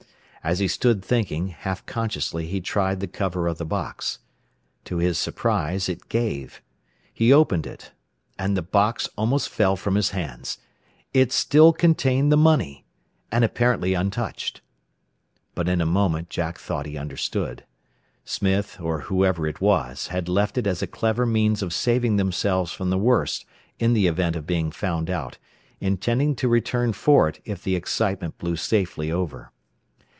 As he stood thinking, half consciously he tried the cover of the box. To his surprise it gave. He opened it. And the box almost fell from his hands. It still contained the money! And apparently untouched! But in a moment Jack thought he understood. Smith, or whoever it was, had left it as a clever means of saving themselves from the worst in the event of being found out, intending to return for it if the excitement blew safely over.